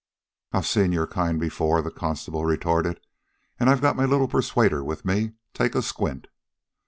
"I've seen your kind before," the constable retorted. "An' I've got my little persuader with me. Take a squint."